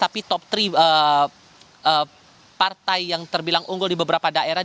tapi top tiga partai yang terbilang unggul di beberapa daerah